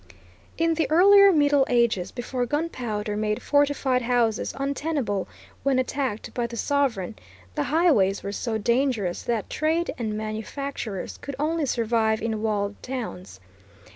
In the earlier Middle Ages, before gunpowder made fortified houses untenable when attacked by the sovereign, the highways were so dangerous that trade and manufactures could only survive in walled towns.